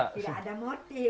tidak ada motif